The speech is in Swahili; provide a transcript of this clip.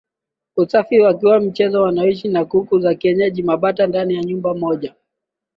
usafi wakiwa mchezoni Wanaoishi na kuku wa kienyeji au mabata ndani ya nyumba moja